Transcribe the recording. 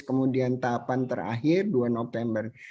kemudian tahapan terakhir dua november